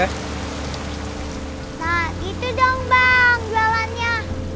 nah itu dong bang jalannya